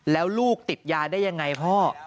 แล้วลูกติดยาได้ยังไงพ่อ